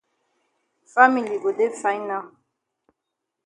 Family go dey fine now.